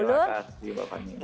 terima kasih mbak fani